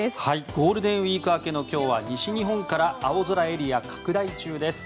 ゴールデンウィーク明けの今日は西日本から青空エリア拡大中です。